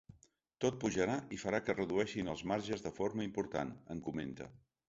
Tot pujarà i farà que es redueixin els marges de forma important, en comenta.